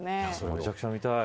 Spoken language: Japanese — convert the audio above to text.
めちゃくちゃ見たい。